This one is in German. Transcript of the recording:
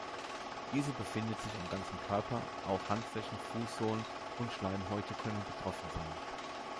Diese befinden sich am ganzen Körper, auch Handflächen, Fußsohlen und Schleimhäute können betroffen sein.